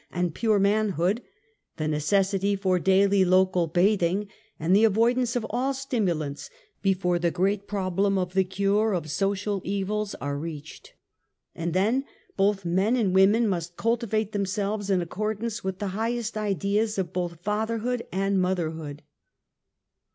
and Pure ^Ian hood, the necessity for daily local bathing and the avoidance of all stimulants, before the great problem of the cure of social evils are reached. And then both men and women must cultivate themselves in accordance with the highest ideas of both fatherhood and motherhood.